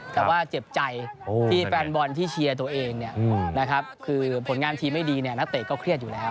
แต่ว่าเจ็บใจที่แฟนบอลที่เชียร์ตัวเองคือผลงานทีมไม่ดีนักเตะก็เครียดอยู่แล้ว